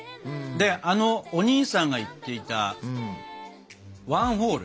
であのおにいさんが言っていたワンホール。